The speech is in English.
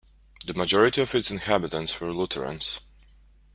The majority of its inhabitants were Lutherans.